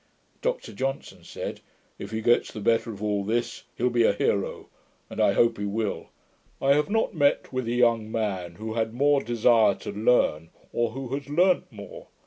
Dr Johnson said, 'If he gets the better of all this, he'll be a hero; and I hope he will. I have not met with a young man who had more desire to learn, or who has learnt more.